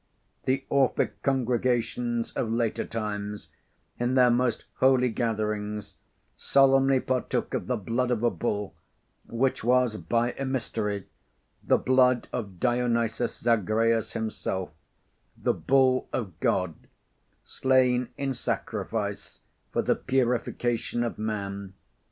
The Orphic congregations of later times, in their most holy gatherings, solemnly partook of the blood of a bull, which was, by a mystery, the blood of Dionysus Zagreus himself, the "Bull of God," slain in sacrifice for the purification of man.